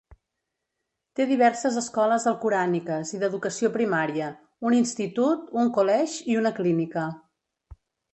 Té diverses escoles alcoràniques i d'educació primària, un institut, un college i una clínica.